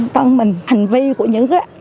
tân mình hành vi của những